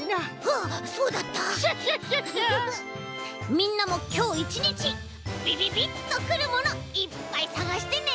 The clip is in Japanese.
みんなもきょういちにちびびびっとくるものいっぱいさがしてね！